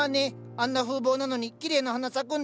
あんな風貌なのにきれいな花咲くんだね。